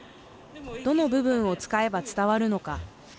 どの部分を使えば伝わるのか。